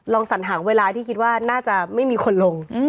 สัญหาเวลาที่คิดว่าน่าจะไม่มีคนลง